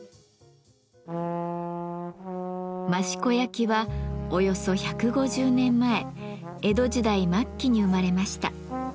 益子焼はおよそ１５０年前江戸時代末期に生まれました。